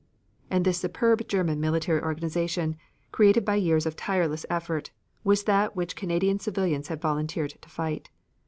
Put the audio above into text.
And this superb German military organization, created by years of tireless effort, was that which Canadian civilians had volunteered to fight.